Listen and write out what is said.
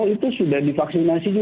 itu sudah divaksinasi